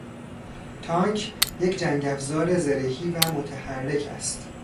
تانک یک جنگافزار زرهی و متحرک است.